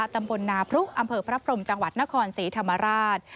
ตำบลนาพรุอำเภอพระพรมจังหวัดนครศรีธรรมราช